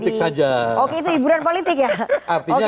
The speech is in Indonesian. tapi itu kan hiburan politik saja